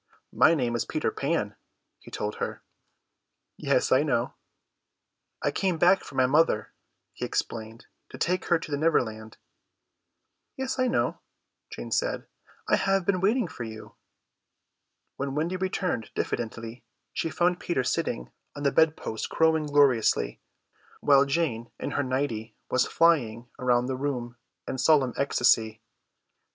"My name is Peter Pan," he told her. "Yes, I know." "I came back for my mother," he explained, "to take her to the Neverland." "Yes, I know," Jane said, "I have been waiting for you." When Wendy returned diffidently she found Peter sitting on the bed post crowing gloriously, while Jane in her nighty was flying round the room in solemn ecstasy.